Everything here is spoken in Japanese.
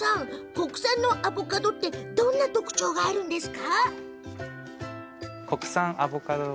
国産のアボカドってどんな特徴があるんですか？